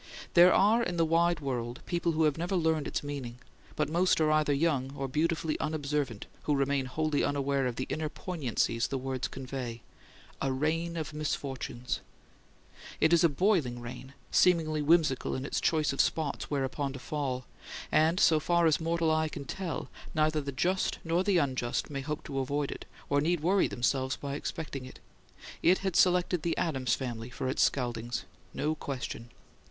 There are in the wide world people who have never learned its meaning; but most are either young or beautifully unobservant who remain wholly unaware of the inner poignancies the words convey: "a rain of misfortunes." It is a boiling rain, seemingly whimsical in its choice of spots whereon to fall; and, so far as mortal eye can tell, neither the just nor the unjust may hope to avoid it, or need worry themselves by expecting it. It had selected the Adams family for its scaldings; no question.